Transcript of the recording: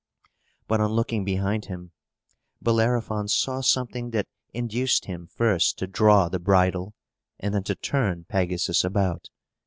But, on looking behind him, Bellerophon saw something that induced him first to draw the bridle, and then to turn Pegasus about.